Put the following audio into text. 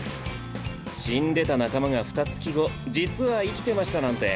死んでた仲間がふた月後実は生きてましたなんて